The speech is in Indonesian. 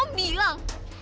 tadi kan om bilang